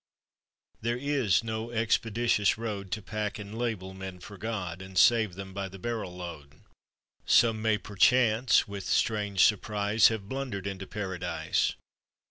There is no expeditious road To pack and label men for God, And save them by the barrel load. Some may perchance, with strange surprise, Have blundered into Paradise.